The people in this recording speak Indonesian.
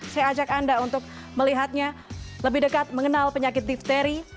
saya ajak anda untuk melihatnya lebih dekat mengenal penyakit difteri